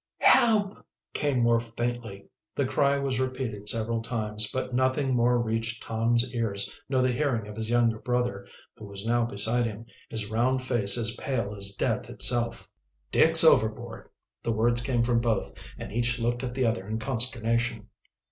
"Help!" came more faintly. The cry was repeated several times, but nothing more reached Tom's ears nor the hearing of his younger brother, who was now beside him, his round face as pale as death itself. "Dick's overboard!" The words came from both, and each looked at the other in consternation.